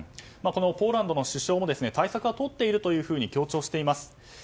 ポーランドの首相も対策は取っていると強調しています。